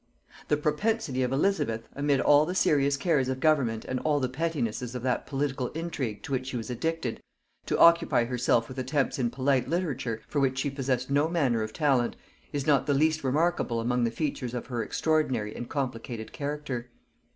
The propensity of Elizabeth, amid all the serious cares of government and all the pettinesses of that political intrigue to which she was addicted, to occupy herself with attempts in polite literature, for which she possessed no manner of talent, is not the least remarkable among the features of her extraordinary and complicated character.